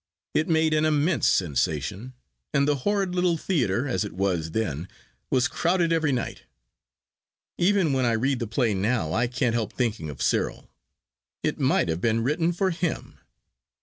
It made an immense sensation, and the horrid little theatre, as it was then, was crowded every night. Even when I read the play now I can't help thinking of Cyril. It might have been written for him.